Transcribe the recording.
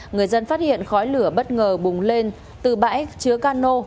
người dân phát hiện khói lửa bất ngờ bùng lên từ bãi chứa cano